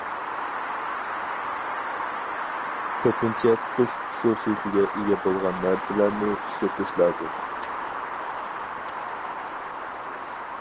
كۆپىنچە تۇتۇش خۇسۇسىيىتىگە ئىگە بولغان نەرسىلەرنى ئىشلىتىش لازىم.